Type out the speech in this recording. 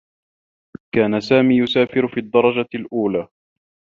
كان سامي يسافر في الدّرجة الأولى.